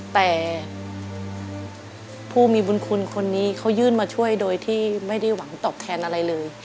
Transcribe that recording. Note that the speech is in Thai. แต่ผู้มีบุญคุณคนนี้เขายื่นมาช่วยโดยที่ไม่ได้หวังตอบแทนอะไรเลย